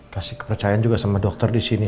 kasih kepercayaan juga sama dokter disini